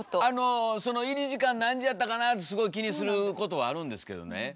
あのその入り時間何時やったかなってすごい気にすることはあるんですけどね